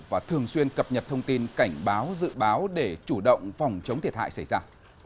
và thường xuyên cập nhật thông tin cảnh báo dự báo để chủ động phòng chống thiệt hại xảy ra